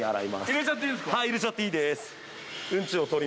入れちゃっていいです。